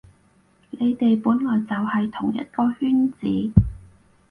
你哋本來就喺同一個圈子